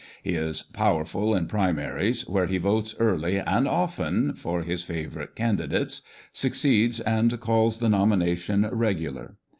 He is 'powerful' in ' primaries/ where he votes early and often for his favourite candidates, succeeds and calls the nomination regular.